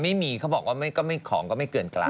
ไม่มีเขาบอกว่าของก็ไม่เกินกลาง